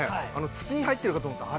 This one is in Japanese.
筒に入ってるかと思ったら、